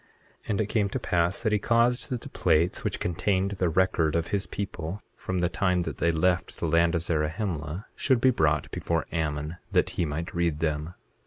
8:5 And it came to pass that he caused that the plates which contained the record of his people from the time that they left the land of Zarahemla, should be brought before Ammon, that he might read them.